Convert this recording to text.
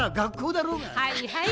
はいはい。